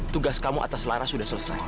tugas kamu atas laras sudah selesai